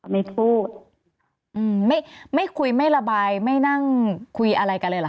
ไม่พูดอืมไม่ไม่คุยไม่ระบายไม่นั่งคุยอะไรกันเลยเหรอ